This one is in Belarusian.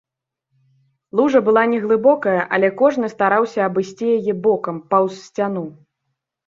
Лужа была не глыбокая, але кожны стараўся абысці яе бокам, паўз сцяну.